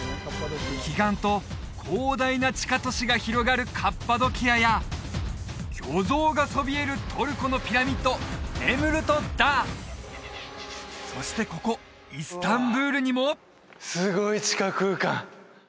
奇岩と広大な地下都市が広がるカッパドキアや巨像がそびえるトルコのピラミッドそしてここイスタンブールにもすごい地下空間